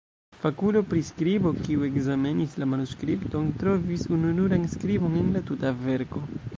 Fakulo pri skribo, kiu ekzamenis la manuskripton, trovis ununuran skribon en la tuta verko.